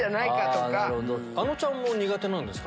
あのちゃんも苦手なんですか？